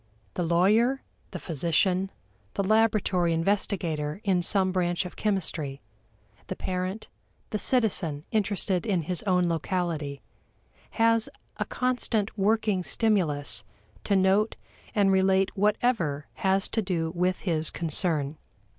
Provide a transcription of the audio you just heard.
The lawyer, the physician, the laboratory investigator in some branch of chemistry, the parent, the citizen interested in his own locality, has a constant working stimulus to note and relate whatever has to do with his concern.